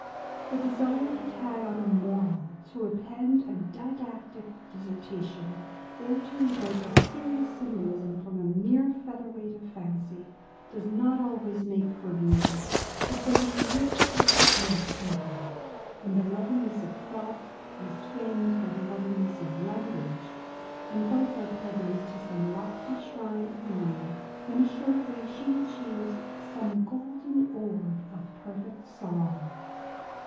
The desire to tag on a moral — to append a didactic dissertation," or to evoke a serious symbolism from a mere featherweight of fancy, does not always make for beauty. But when she reaches her topmost pinnacle — when the loveliness of thought is twinned by the loveliness of language, and both are pilgrims to some lofty shrine of meaning ; then, assuredly she achieves 8ome golden orb of perfect song."